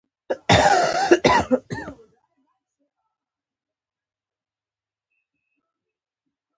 خطر څنګه مدیریت کړو؟